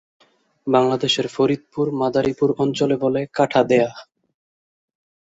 বাংলাদেশের ফরিদপুর-মাদারীপুর অঞ্চলে বলে কাঠা দেয়া।